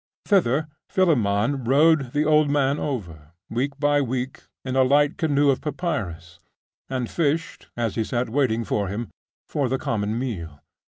Thither Philammon rowed the old man over, week by week, in a light canoe of papyrus, and fished, as he sat waiting for him, for the common meal.